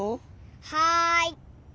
はい。